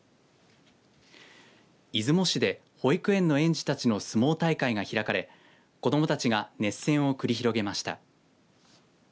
出雲市で保育園の園児たちの相撲大会が開かれ子どもたちが熱戦を繰り広げました。